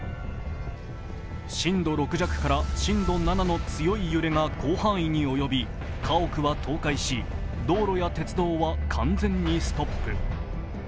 震度６弱から震度７の強い揺れが広範囲に及び家屋は倒壊し、道路や鉄道は完全にストップ。